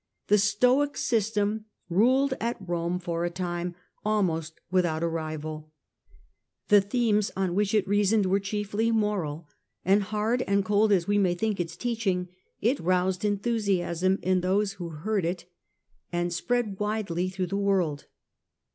The Stoic system ruled at Rome for a time almost with out a rival. The themes on which it reasoned were chiefly moral ; and hard and cold as we may think its teaching, it roused enthusiasm in those who heard it, and spread Moral Standard of the Age. 219 widely through the world.